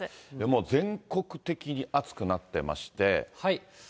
もう全国的に暑くなってまして。